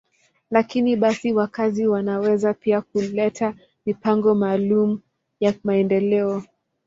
Lakini basi, wakazi wanaweza pia kuleta mipango maalum ya maendeleo.